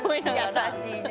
優しいね。